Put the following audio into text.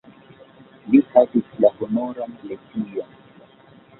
Li havis la Honoran legion.